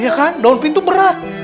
ya kan daun pintu berat